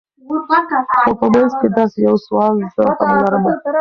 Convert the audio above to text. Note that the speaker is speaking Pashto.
خو په منځ کي دا یو سوال زه هم لرمه